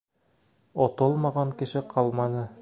Отолмаған кеше ҡалманы.